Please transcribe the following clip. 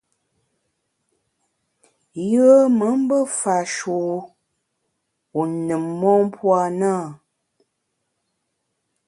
Yùe me mbe fash’e wu wu nùm mon puo a na ?